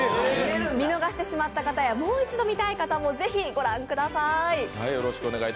見逃してしまった方やもう一度見たい方も是非、ご覧ください。